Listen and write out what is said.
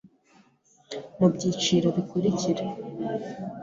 mu byiciro bikurikira: